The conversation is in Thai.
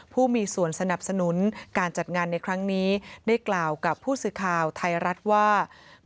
ผู้มีส่วนสนับสนุนการจัดงานในครั้งนี้ได้กล่าวกับผู้สื่อข่าวไทยรัฐว่า